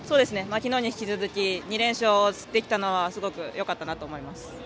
きのうに引き続き２連勝できたのはすごくよかったなと思います。